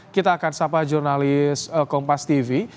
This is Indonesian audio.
kita akan sapa jurnalis kompastv